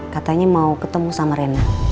katanya mau ketemu sama rena